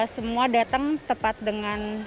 semua datang tepat dengan